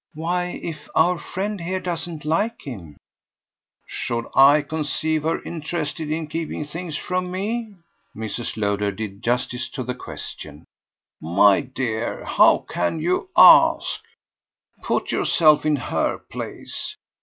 "Why, if our friend here doesn't like him " "Should I conceive her interested in keeping things from me?" Mrs. Lowder did justice to the question. "My dear, how can you ask? Put yourself in her place.